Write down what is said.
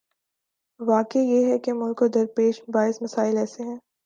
واقعہ یہ ہے کہ ملک کو درپیش بعض مسائل ایسے ہیں۔